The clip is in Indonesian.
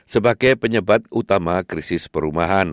sebagai penyebab utama krisis perumahan